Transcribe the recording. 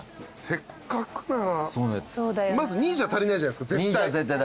せっかくならまず２じゃ足りないじゃないですか絶対。